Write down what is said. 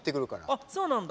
あっそうなんだ。